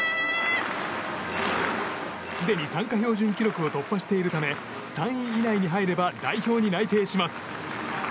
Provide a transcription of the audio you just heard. すでに参加標準記録を突破しているため３位以内に入れば代表に内定します。